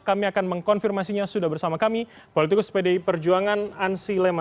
kami akan mengkonfirmasinya sudah bersama kami politikus pdi perjuangan ansi lema